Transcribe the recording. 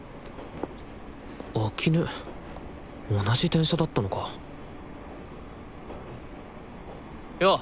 秋音同じ電車だったのかよお！